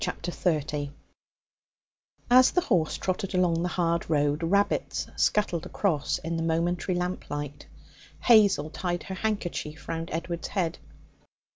Chapter 30 As the horse trotted along the hard road, rabbits scuttled across in the momentary lamplight. Hazel tied her handkerchief round Edward's head.